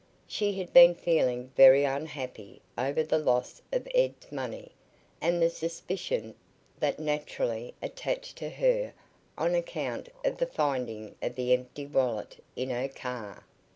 She had been feeling very unhappy over the loss of Ed's money and the suspicion that naturally attached to her on account of the finding of the empty wallet in her car.